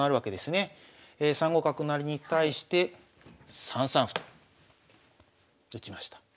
３五角成に対して３三歩と打ちました。